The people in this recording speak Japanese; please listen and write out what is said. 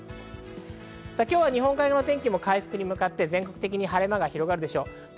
今日は日本海側の天気も回復に向かって全国的に晴れ間が広がるでしょう。